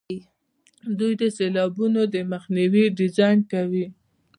دوی د سیلابونو د مخنیوي ډیزاین کوي.